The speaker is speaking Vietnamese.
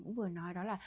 cũng vừa nói đó là